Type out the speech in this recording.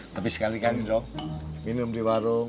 tapi sekali kali dok minum di warung